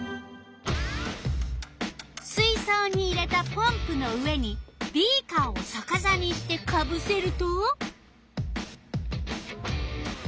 水そうに入れたポンプの上にビーカーをさかさにしてかぶせると。